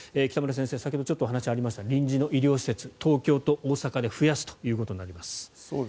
北村先生、先ほどちょっとお話がありました臨時の医療施設東京と大阪で増やすことになります。